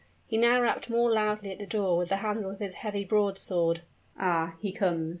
He now rapped more loudly at the door with the handle of his heavy broadsword. "Ah! he comes!"